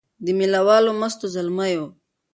د مېله والو مستو زلمیو